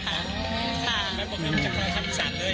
แฟนมันเคยหลุดจากวัฒนธรรมอีสานเลย